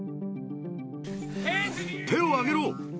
手を挙げろ！